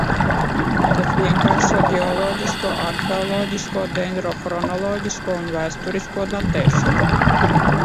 Tas vienkāršo ģeoloģisko, arheoloģisko, dendrohronoloģisko un vēsturisko datēšanu.